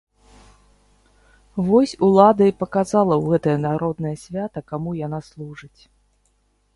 Вось улада і паказала ў гэтае народнае свята, каму яна служыць.